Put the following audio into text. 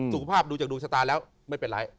สุขภาพดูจากดวงชะตาแล้วไม่เป็นไร